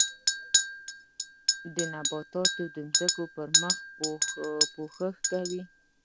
نباتات د ځمکې پر مخ پوښښ کوي